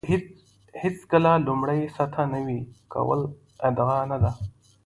هېڅکله لومړۍ سطح نوي کول ادعا نه ده.